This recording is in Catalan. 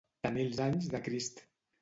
Tenir els anys de Crist.